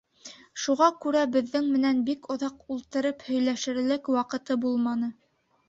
Шуға күрә беҙҙең менән бик оҙаҡ ултырып һөйләшерлек ваҡыты булманы.